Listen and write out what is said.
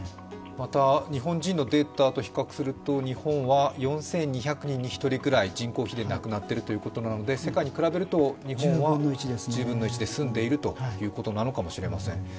また、日本人のデータと比較すると、日本人は４２００人に１人ぐらい人口比でなくなっていると言うことなので、世界に比べると日本は１０分の１で済んでいるのかもしれあません。